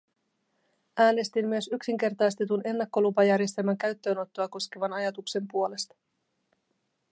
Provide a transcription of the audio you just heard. Äänestin myös yksinkertaistetun ennakkolupajärjestelmän käyttöönottoa koskevan ajatuksen puolesta.